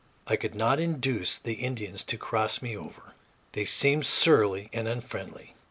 I could not induce the Indians to cross me over; they seemed surly and unfriendly.